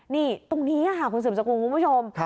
นี่ตรงนี้คุณสมสังคมคุณผู้ชม